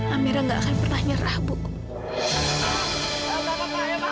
amirah gak akan pernah nyerah buku